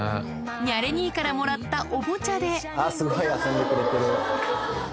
ニャレ兄からもらったおもちゃですごい遊んでくれてる。